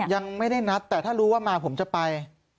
ยังไม่ได้นัดแต่ถ้ารู้ว่ามาผมจะไป